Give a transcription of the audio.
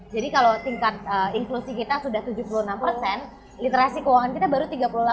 jadi kalau tingkat inklusi kita sudah tujuh puluh enam literasi keuangan kita baru tiga puluh delapan